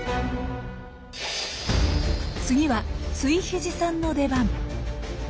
次は對比地さんの出番。